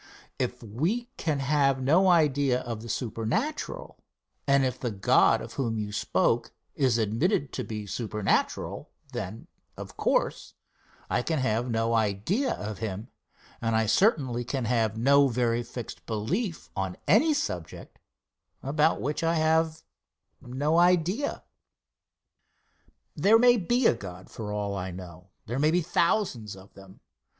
If we can have no idea of the supernatural, and if the God of whom you spoke is admitted to be supernatural, then, of course, I can have no idea of him, and I certainly can have no very fixed belief on any subject about which I have no idea. There may be a God for all I know. There may be thousands of them.